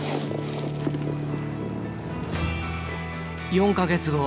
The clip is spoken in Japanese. ４か月後